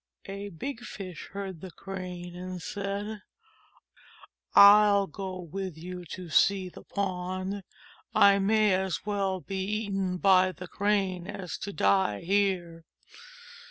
A big Fish heard the Crane and said, "I will go with you to see the pond I may as well be eaten by the Crane as to die here."